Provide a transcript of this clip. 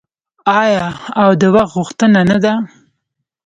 آیا او د وخت غوښتنه نه ده؟